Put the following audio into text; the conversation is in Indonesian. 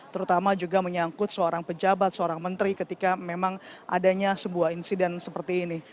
terutama juga menyangkut seorang pejabat seorang menteri ketika memang adanya sebuah insiden seperti ini